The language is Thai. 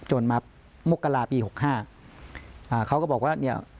จนมามกราศาสตร์ปี๖๕เขาก็บอกว่า